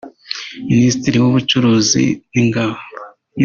Minisitiri w’Ubucuruzi n’Ingada